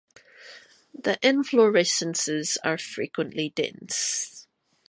The inflorescences are frequently dense.